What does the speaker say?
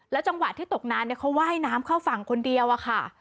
แล้วจังหวะที่ตกน้ำเนี่ยเค้าไหว้น้ำเข้าฝั่งคนเดียวอะค่ะ